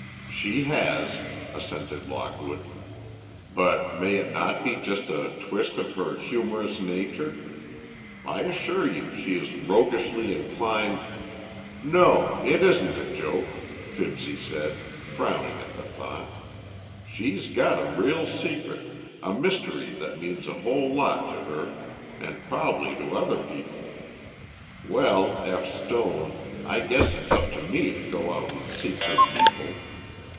"She has," assented Lockwood. "But may it not be just a twist of her humorous nature? I assure you she is roguishly inclined—" "No; it isn't a joke," Fibsy said, frowning at the thought. "She's got a real secret, a mystery that means a whole lot to her,—and prob'ly to other people. Well, F. Stone, I guess it's up to me to go out and seek her people."